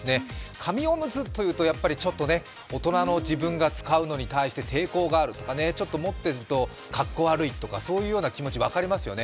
紙おむつというと大人の自分が使うのに対して抵抗がある、持っているとかっこ悪いとか、そういう気持ち分かりますよね。